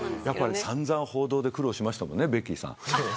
散々報道で苦労しましたもんねベッキーさん。